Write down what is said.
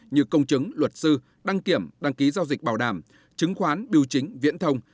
như công chứng luật sư đăng kiểm đăng ký giao dịch bảo đảm chứng khoán biểu chính viễn thông